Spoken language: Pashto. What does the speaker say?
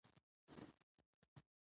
زه یوې برخه کې یو څو جملو سره مخ شوم